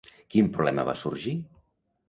Quin problema va sorgir?